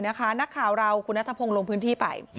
นักข่าวเราคุณนัทพงศ์ลงพื้นที่ไป